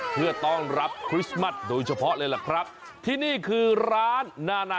เพื่อต้องรับโดยเฉพาะเลยแหละครับที่นี่คือร้านนานา